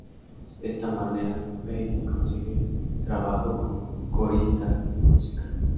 De esta manera, Peggy consigue trabajo como corista en el musical.